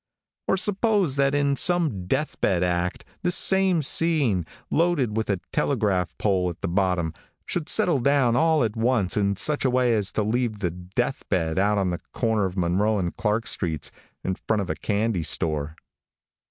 Or suppose that in some death bed act this same scene, loaded with a telegraph pole at the bottom, should settle down all at once in such a way as to leave the death bed out on the corner of Monroe and Clark streets, in front of a candy store.